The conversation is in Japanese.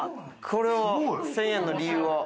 これは１０００円の理由は？